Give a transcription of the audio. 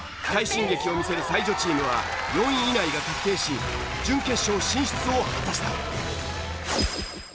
快進撃を見せる才女チームは４位以内が確定し準決勝進出を果たした。